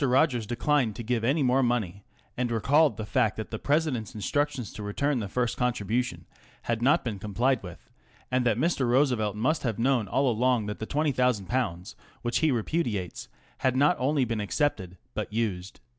Rogers declined to give any more money, and recalled the fact that the President's instructions to return the first contribution had not been complied with, and that Mr. Roosevelt must have known all along that the ^"20,000, which he repudiates, had not been only accepted but used.